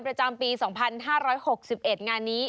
ประจำปี๒๕๖๑งานนี้